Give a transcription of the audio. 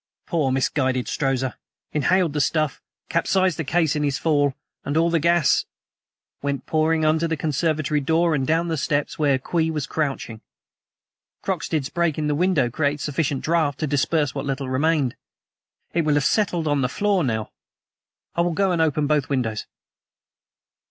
Poor, misguided Strozza inhaled the stuff, capsized the case in his fall, and all the gas " "Went pouring under the conservatory door, and down the steps, where Kwee was crouching. Croxted's breaking the window created sufficient draught to disperse what little remained. It will have settled on the floor now. I will go and open both windows."